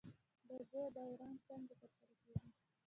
د اوبو دوران څنګه ترسره کیږي؟